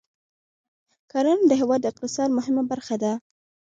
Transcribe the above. کرنه د هېواد د اقتصاد مهمه برخه ده.